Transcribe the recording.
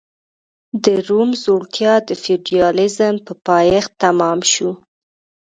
د روم ځوړتیا د فیوډالېزم په پایښت تمام شو.